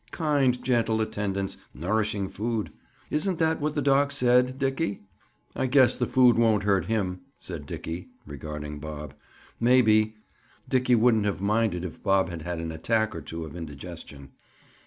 Kind gentle attendants; nourishing food. Isn't that what the Doc said, Dickie?" "I guess the food won't hurt him" said Dickie, regarding Bob. Maybe, Dickie wouldn't have minded if Bob had had an attack, or two, of indigestion.